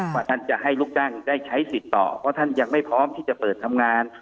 ว่าท่านจะให้ลูกจ้างได้ใช้สิทธิ์ต่อเพราะท่านยังไม่พร้อมที่จะเปิดทำงาน